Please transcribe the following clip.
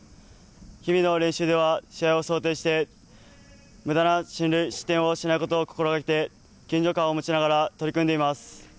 日々の練習では試合を想定してむだな進塁、失点をしないことを心がけて、緊張感を持ちながら取り組んでいます。